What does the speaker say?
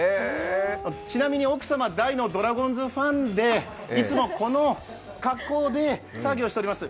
ちなみに奥様、大のドラゴンズファンでいつもこの格好で作業をしております。